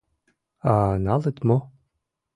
А налыт мо?